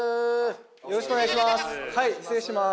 よろしくお願いします。